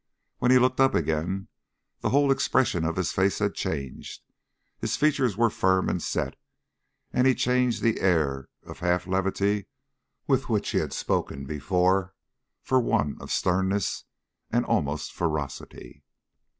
When he looked up again, the whole expression of his face had changed. His features were firm and set, and he changed the air of half levity with which he had spoken before for one of sternness and almost ferocity.